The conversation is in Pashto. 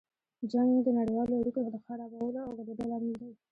جنګ د نړیوالو اړیکو خرابولو او ګډوډۍ لامل دی.